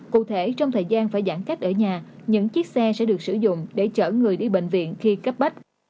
cụ thể trong thời gian phải giãn cách ở nhà những chiếc xe sẽ được sử dụng để chở người đi bệnh viện khi cấp bách